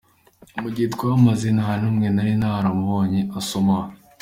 Mu gihe twamaze nta nari mwe nari naramubonye asomaho.